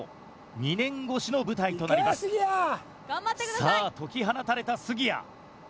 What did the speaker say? さあ解き放たれた杉谷。